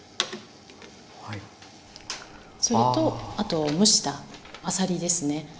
それとあと蒸したあさりですね。